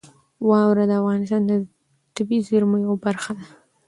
واوره د افغانستان د طبیعي زیرمو یوه برخه ده.